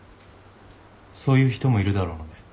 そういう人もいるだろうね。